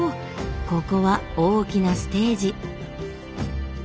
ここは大きなステージ。